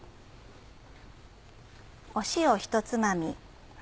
塩ひとつまみ。